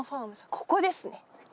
ここですね